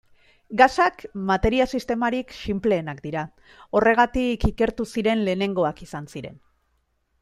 Gasak materia-sistemarik sinpleenak dira, horregatik, ikertu ziren lehenengoak izan ziren.